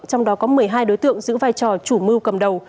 trong đó có một mươi hai đối tượng giữ vai trò chủ mưu cầm đầu